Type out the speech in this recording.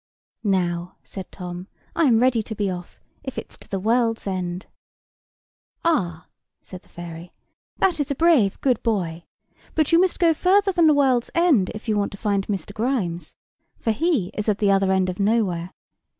[Picture: Tom about to dive] "NOW," said Tom, "I am ready be off, if it's to the world's end." "Ah!" said the fairy, "that is a brave, good boy. But you must go farther than the world's end, if you want to find Mr. Grimes; for he is at the Other end of Nowhere.